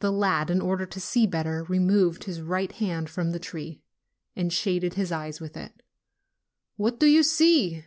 The lad, in order to see better, removed his right hand from the tree, and shaded his eyes with it. 'What do you see?"